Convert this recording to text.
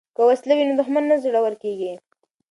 که وسله وي نو دښمن نه زړور کیږي.